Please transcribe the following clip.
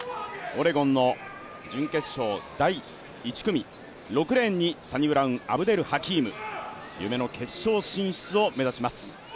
オレゴンの準決勝第１組６レーンにサニブラウン・アブデルハキーム、夢の決勝進出を目指します。